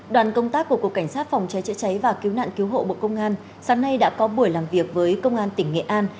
đoàn công tác của cục cảnh sát phòng cháy chữa cháy và cứu nạn cứu hộ bộ công an sáng nay đã có buổi làm việc với công an tỉnh nghệ an